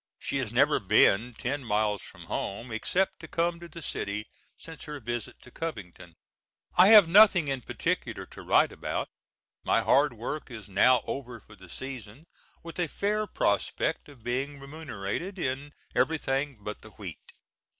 She has never been ten miles from home, except to come to the city, since her visit to Covington. I have nothing in particular to write about. My hard work is now over for the season with a fair prospect of being remunerated in everything but the wheat.